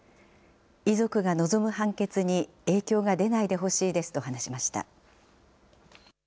遺族が望む判決に影響が出ないでほしいですと話しました。